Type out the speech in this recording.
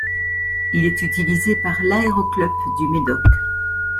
Il est utilisé par l'aéroclub du Médoc.